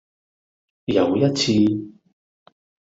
有一次